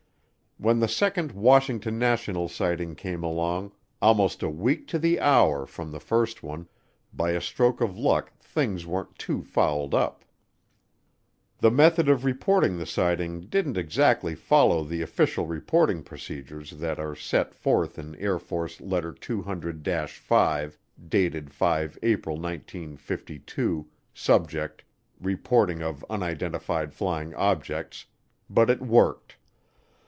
When the second Washington National Sighting came along, almost a week to the hour from the first one, by a stroke of luck things weren't too fouled up. The method of reporting the sighting didn't exactly follow the official reporting procedures that are set forth in Air Force Letter 200 5, dated 5 April 1952, Subject: Reporting of Unidentified Flying Objects but it worked.